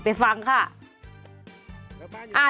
ไปฟังค่ะ